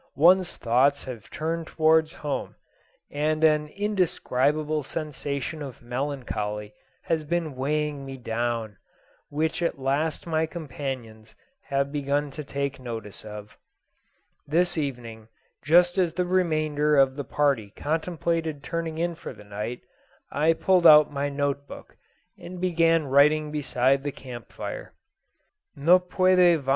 One's thoughts have turned towards home, and an indescribable sensation of melancholy has been weighing me down, which at last my companions have begun to take notice of. This evening, just as the remainder of the party contemplated turning in for the night, I pulled out my note book, and began writing beside the camp fire. "¿No puede Vm.